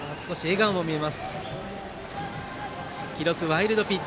記録はワイルドピッチ。